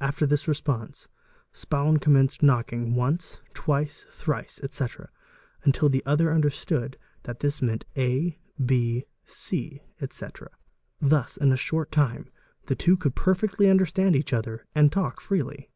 After this res pe nse, Spaun commenced knocking, once, twice, thrice, etc., until the other understood that these meant a,b,c, etc. Thus in a short time the two could perfectly understand each other and talk freely.